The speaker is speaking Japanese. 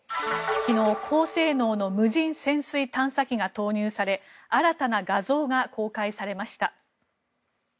昨日、高性能の無人潜水探査機が投入され新たな画像が公開されました。